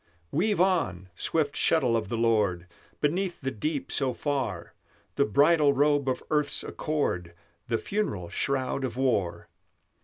Weave on, swift shuttle of the Lord, Beneath the deep so far, The bridal robe of earth's accord, The funeral shroud of war!